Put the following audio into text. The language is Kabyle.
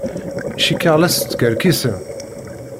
Cikkeɣ la teskerkisem.